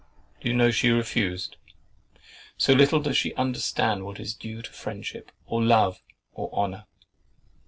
Do you know she refused; so little does she understand what is due to friendship, or love, or honour!